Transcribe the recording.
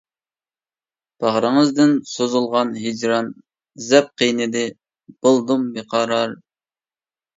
باغرىڭىزدىن سوزۇلغان ھىجران، زەپ قىينىدى بولدۇم بىقارار.